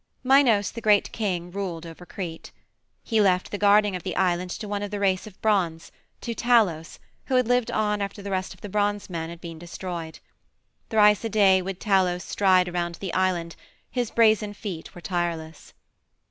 Minos, the great king, ruled over Crete. He left the guarding of the island to one of the race of bronze, to Talos, who had lived on after the rest of the bronze men had been destroyed. Thrice a day would Talos stride around the island; his brazen feet were tireless.